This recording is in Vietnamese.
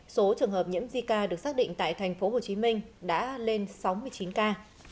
số trường hợp nhiễm zika được xác định tại thành phố hồ chí minh đã lên sáu mươi chín ca